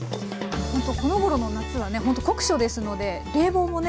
このごろの夏はねほんと酷暑ですので冷房もね